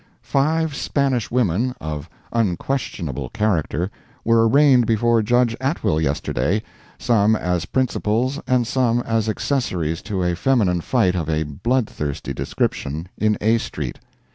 —Five Spanish women, of unquestionable character, were arraigned before Judge Atwill yesterday, some as principals and some as accessories to a feminine fight of a bloodthirsty description in A street.